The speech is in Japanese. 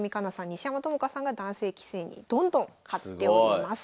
西山朋佳さんが男性棋戦にどんどん勝っております。